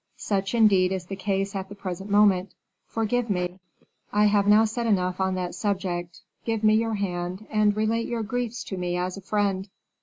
Such, indeed, is the case at the present moment. Forgive me; I have now said enough on that subject; give me your hand, and relate your griefs to me as a friend."